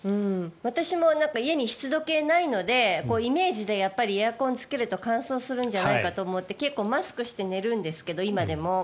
私も家に湿度計がないのでイメージでエアコンをつけると乾燥するんじゃないかと思ってマスクを着けて寝るんですけど、今でも。